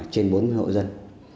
trên bốn hộ dân